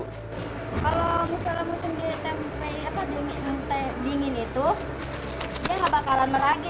kalau misalnya musim dingin itu dia nggak bakalan meragi